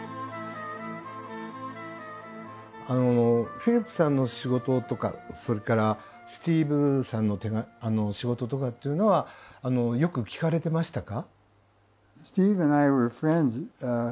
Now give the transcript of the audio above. フィリップさんの仕事とかそれからスティーヴさんの仕事とかっていうのはよく聴かれてましたか？